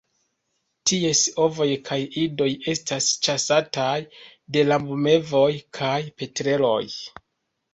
Ties ovoj kaj idoj estas ĉasataj de rabmevoj kaj petreloj.